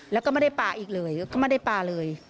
แล้วก็ไม่ได้ปลาอีกเลยก็ไม่ได้ปลาเลย